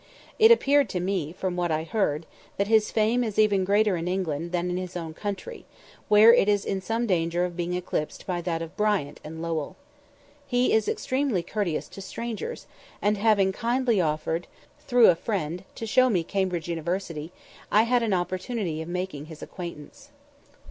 It appeared to me, from what I heard, that his fame is even greater in England than in his own country, where it is in some danger of being eclipsed by that of Bryant and Lowell. He is extremely courteous to strangers, and having kindly offered, through a friend, to show me Cambridge University, I had an opportunity of making his acquaintance.